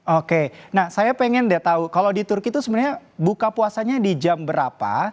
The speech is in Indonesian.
oke nah saya pengen deh tau kalau di turki itu sebenarnya buka puasanya di jam berapa